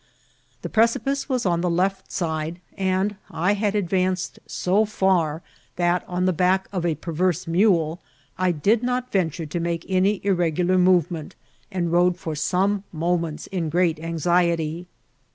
The precipice was on the left side, and I had advanced so far that, on the back of a perverse mule, I did not venture to make any irregular movement, and rode for some mo ments in great anxiety.